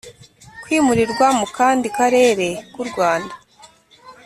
kwimurirwa mu kandi karere ku Rwanda